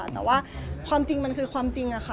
แต่ว่าความจริงมันคือความจริงอะค่ะ